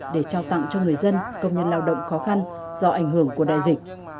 để trao tặng cho người dân công nhân lao động khó khăn do ảnh hưởng của đại dịch